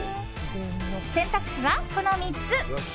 選択肢は、この３つ。